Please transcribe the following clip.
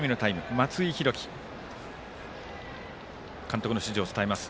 松井弘樹監督の指示を伝えます。